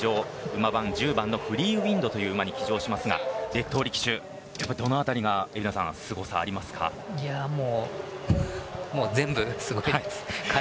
馬番１０番のフリーウインドという馬に騎乗しますがデットーリ騎手はどのあたりが全部すごいです。